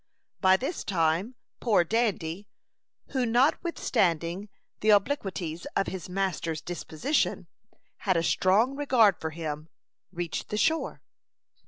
By this time, poor Dandy, who, notwithstanding the obliquities of his master's disposition, had a strong regard for him, reached the shore.